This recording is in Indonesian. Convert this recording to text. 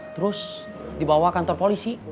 terus dibawa kantor polisi